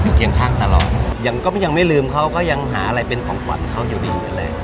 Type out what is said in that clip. อยู่เคียงข้างตลอดยังไม่ลืมเค้าก็ยังหาอะไรเป็นของขวัญเค้าอยู่ดีเลย